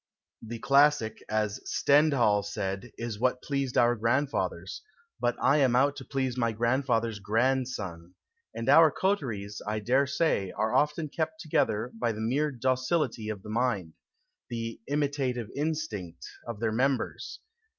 The classic, as Stendhal said, is what pleased our grand fathers ; but I am out to please my grandfather's grandson. And our coteries, I dare say, are often kept together by the mere docility of mind, the imitative instinct, of their members.